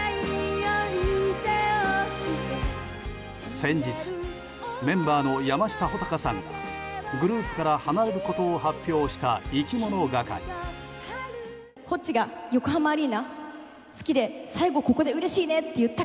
先日、メンバーの山下穂尊さんがグループから離れることを発表した、いきものがかり。